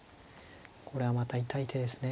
これはまた痛い手ですね。